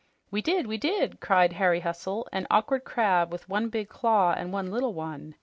"We did, we did!" cried Harry Hustle, an awkward crab with one big claw and one little one.